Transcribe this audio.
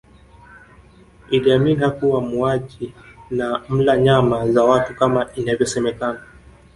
Idi Amin hakuwa muuaji na mla nyama za watu kama inavyosemekana